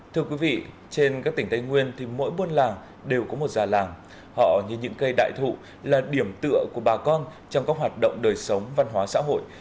thưa quý vị trên các tỉnh tây nguyên thì mỗi buôn làng đều có một già làng họ như những cây đại thụ là điểm tựa của bà con trong các hoạt động đời sống văn hóa xã hội